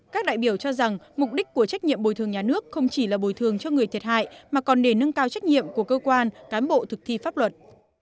các đại biểu cho rằng mục đích của trách nhiệm bồi thường nhà nước không chỉ là bồi thường cho người thiệt hại mà còn để nâng cao trách nhiệm của cơ quan cán bộ thực thi pháp luật